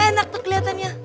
enak tuh keliatannya